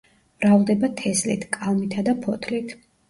მრავლდება თესლით, კალმითა და ფოთლით.